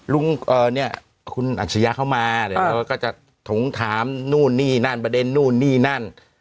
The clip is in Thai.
เนี่ยคุณอัจฉริยะเข้ามาก็จะถงถามนู่นนี่นั่นประเด็นนู่นนี่นั่น